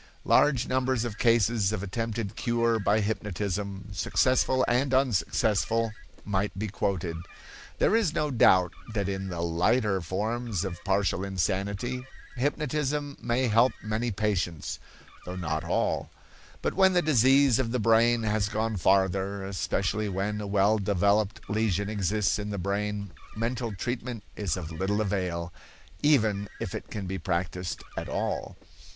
Large numbers of cases of attempted cure by hypnotism, successful and unsuccessful, might be quoted. There is no doubt that in the lighter forms of partial insanity, hypnotism may help many patients, though not all; but when the disease of the brain has gone farther, especially when a well developed lesion exists in the brain, mental treatment is of little avail, even if it can be practiced at all.